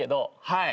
はい。